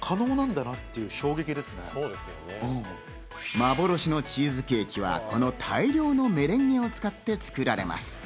幻のチーズケーキはこの大量のメレンゲを使って作られます。